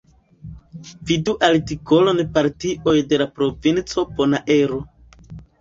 Vidu artikolon Partioj de la Provinco Bonaero.